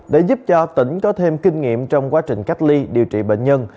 để giúp cho tỉnh có thêm kinh nghiệm trong quá trình cách ly điều trị bệnh nhân